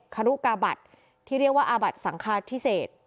คารุกาบัตรที่เรียกว่าอาบัติสังคาพิเศษ